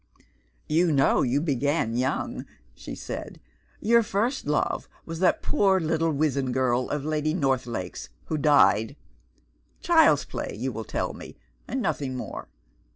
"You know you began young," she said; "your first love was that poor little wizen girl of Lady Northlake's who died. Child's play, you will tell me, and nothing more.